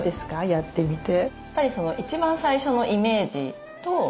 やってみて。